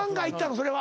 それは。